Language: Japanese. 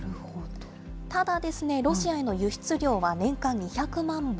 ただ、ロシアへの輸出量は年間２００万本。